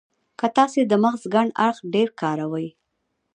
که تاسې د مغز کڼ اړخ ډېر کاروئ.